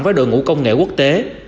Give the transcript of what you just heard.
với đội ngũ công nghệ quốc tế